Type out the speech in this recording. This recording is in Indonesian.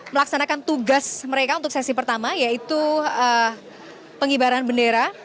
melaksanakan tugas mereka untuk sesi pertama yaitu pengibaran bendera